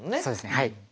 そうですねはい。